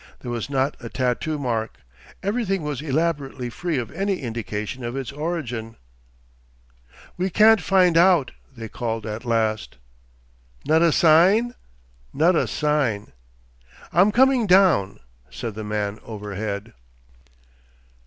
There was not a tattoo mark.... Everything was elaborately free of any indication of its origin. 'We can't find out!' they called at last. 'Not a sign?' 'Not a sign.' 'I'm coming down,' said the man overhead....